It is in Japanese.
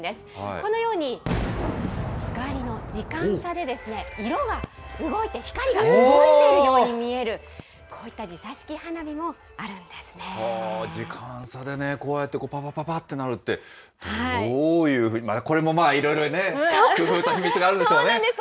このように、光の時間差で、色が動いて、光が動いているように見える、こういった時差式花火もあ時間差でね、こうやってぱぱぱぱってなるって、どういうふうに、これもまあ、いろいろね、工そうなんです。